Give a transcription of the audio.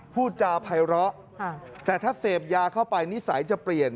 พูดจาภัยร้อแต่ถ้าเสพยาเข้าไปนิสัยจะเปลี่ยน